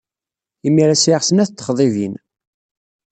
Imir-a sɛiɣ snat n texḍibin.